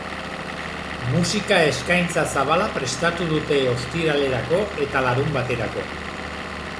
Musika-eskaintza zabala prestatu dute ostiralerako eta larunbaterako.